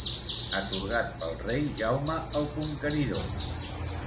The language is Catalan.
Atorgat pel Rei Jaume el Conqueridor.